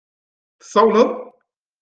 Tsawleḍ?